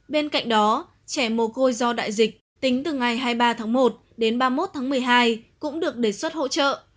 bên cạnh đó trẻ mồ côi do đại dịch tính từ ngày hai mươi ba tháng một đến ba mươi một tháng một mươi hai cũng được đề xuất hỗ trợ